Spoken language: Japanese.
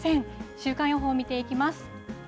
週間予報を見ていきます。